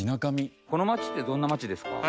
この町ってどんな町ですか？